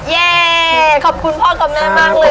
แย่ขอบคุณพ่อกับแม่มากเลย